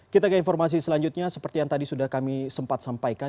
kita ke informasi selanjutnya seperti yang tadi sudah kami sempat sampaikan